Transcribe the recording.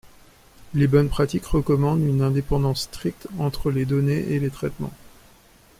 Les bonnes pratiques recommandent une indépendance stricte entre les données et les traitements.